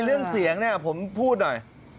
เรื่องเสียงเนี่ยผมพูดหน่อย